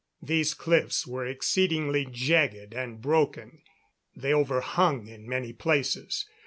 These cliffs were exceedingly jagged and broken. They overhung in many places.